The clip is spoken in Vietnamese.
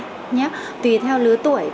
tùy theo lứa tuổi chúng ta nên tăng lượng nước lên